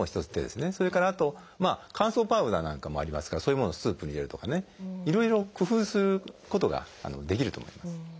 それからあと乾燥パウダーなんかもありますからそういうものをスープに入れるとかねいろいろ工夫することができると思います。